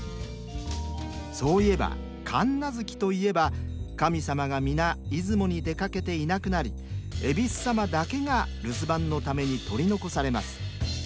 そういえば神無月といえば神様が皆出雲に出かけて居なくなり恵比寿様だけが留守番のために取り残されます。